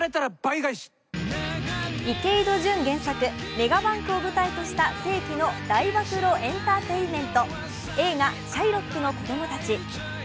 池井戸潤原作、メガバンクを舞台とした世紀の大暴露エンターテインメント、映画「シャイロックの子供たち」。